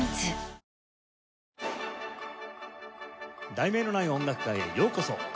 『題名のない音楽会』へようこそ。